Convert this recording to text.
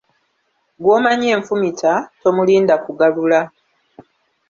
Gw'omanyi enfumita, tomulinda kugalula.